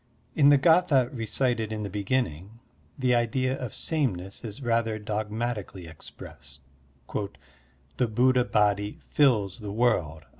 In the g^tha recited in the beginning, the idea of sameness is rather dogmatically expressed: "The Buddha Body fills the world."